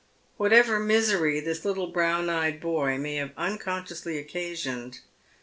Whatever misery this liltle brown eyed boy may have unconsciously occa« sionod.